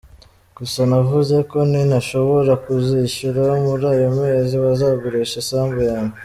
Gusa navuze ko nintashobora kuzishyura muri ayo mezi, bazagurisha isambu yanjye.